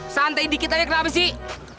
santai dikit aja kenapa sih